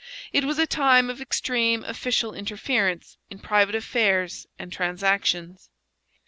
It was a time of extreme official interference in private affairs and transactions.